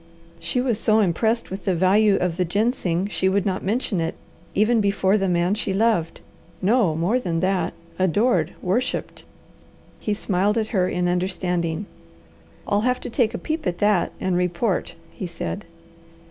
She was so impressed with the value of the ginseng she would not mention it, even before the man she loved no more than that "adored" "worshipped!" He smiled at her in understanding. "I'll have to take a peep at that and report," he said.